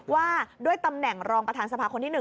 ว่าด้วยตำแหน่งรองประธานสภาคนที่๑